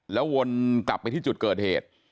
แล้ววนกลับไปที่จุดเกิดเหตุ